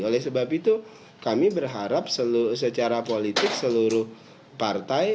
oleh sebab itu kami berharap secara politik seluruh partai